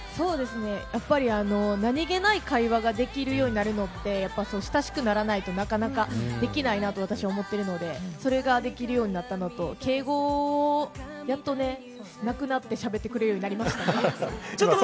やっぱり何気ない会話ができるようになるのって親しくならないと、なかなかできないなと私は思っているので、それができるようになったのと、敬語をやっとね、なくなって喋ってくれるようになりました。